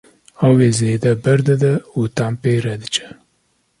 avê zêde ber dide û tehm pê re diçe.